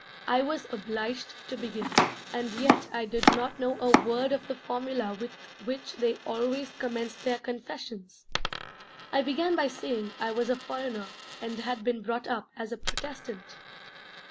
I was obliged to begin, and yet I did not know a word of the formula with which they always commence their confessions!... I began by saying I was a foreigner and had been brought up as a Protestant.